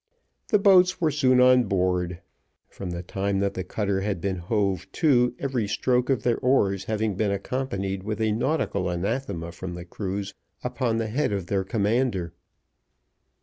The boats were soon on board; from the time that the cutter had been hove to, every stroke of their oars having been accompanied with a nautical anathema from the crews upon the head of their commander.